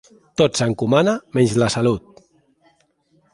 Tot s'encomana menys la salut.